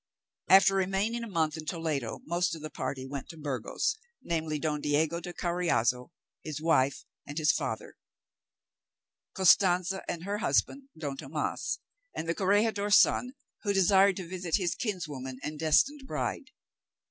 After remaining a month in Toledo most of the party went to Burgos, namely, Don Diego de Carriazo, his wife, and his father; Costanza, and her husband, Don Tomas, and the corregidor's son, who desired to visit his kinswoman and destined bride.